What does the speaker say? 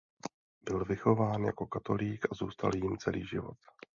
Byl vychován jako katolík a zůstal jím celý život.